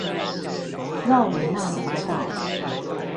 繞與那國島